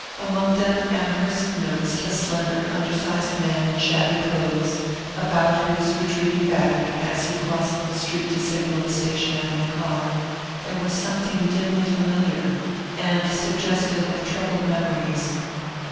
Among them Amherst noticed a slender undersized man in shabby clothes, about whose retreating back, as he crossed the street to signal a Station Avenue car, there was something dimly familiar, and suggestive of troubled memories.